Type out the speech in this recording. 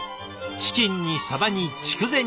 チキンにさばに筑前煮。